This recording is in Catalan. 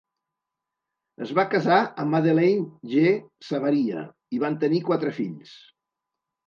Es va casar amb Madeleine G. Savaria i van tenir quatre fills.